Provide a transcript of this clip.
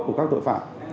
của các tội phạm